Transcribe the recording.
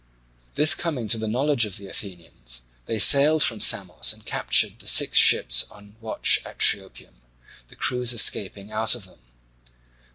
This coming to the knowledge of the Athenians, they sailed from Samos and captured the six ships on the watch at Triopium, the crews escaping out of them.